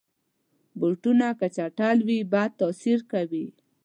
بوټونه که چټل وي، بد تاثیر کوي.